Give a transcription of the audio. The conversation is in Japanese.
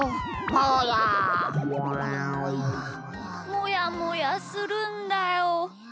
もやもやするんだよ。